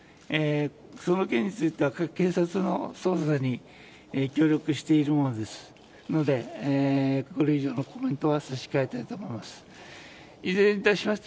その件については警察の捜査に協力しているのでこれ以上のコメントは差し控えたいと思います。